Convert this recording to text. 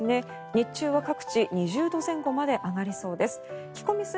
日中は各地２０度前後まで上がりそうです。